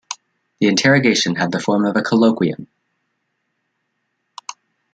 The interrogation had the form of a colloquium.